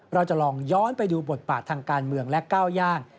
เราจะลองย้อนไปดูบทบาททางการเมืองและก้าวย่าง